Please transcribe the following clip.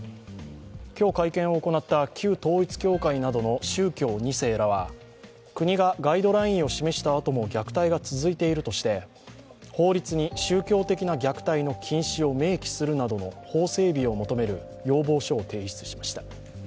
今日、会見を行った旧統一教会などの宗教２世らは国がガイドラインを示したあとも虐待が続いているとして法律に宗教的な虐待の禁止を明記するなどの法整備を求める要望書を提出しました。